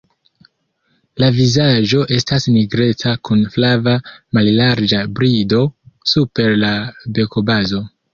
La vizaĝo estas nigreca kun flava mallarĝa brido super la bekobazo.